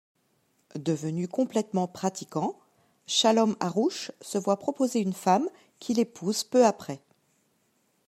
Devenu complètement pratiquant, Shalom Aroush se voit proposer une femme qu’il épouse peu après.